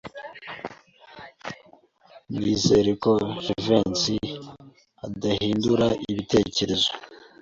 Nizere ko Jivency adahindura ibitekerezo.